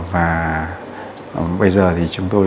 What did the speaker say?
và bây giờ thì chúng tôi